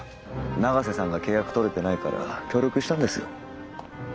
永瀬さんが契約取れてないから協力したんですよ。